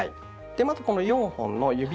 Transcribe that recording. まずこの４本の指先